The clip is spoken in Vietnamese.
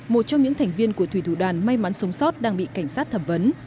một trong những thành viên của thủy thủ đoàn may mắn sống sót đang bị cảnh sát thẩm vấn